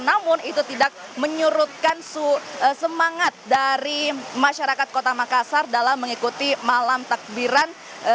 namun itu tidak menyurutkan semangat dari masyarakat kota makassar dalam mengikuti malam takbiran